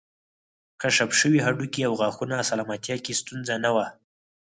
کشف شوي هډوکي او غاښونه سلامتیا کې ستونزه نه وه